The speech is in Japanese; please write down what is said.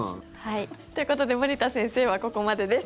ということで森田先生はここまでです。